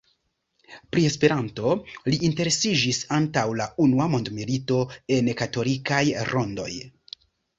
Pri Esperanto li interesiĝis antaŭ la unua mondmilito, en la katolikaj rondoj.